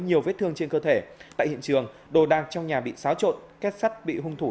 nhiều vết thương trên cơ thể tại hiện trường đồ đạc trong nhà bị xáo trộn kết sắt bị hung thủ